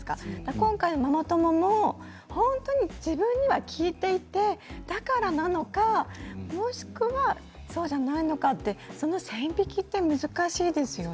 今回のママ友も本当に自分に効いていてだからなのかもしくは、そうじゃないのかその線引きが難しいですよね。